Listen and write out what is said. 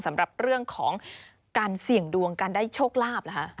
สำหรับเรื่องของการเสี่ยงดวงการได้โชคลาภเหรอคะ